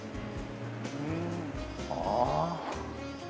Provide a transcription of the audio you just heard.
ふんああ。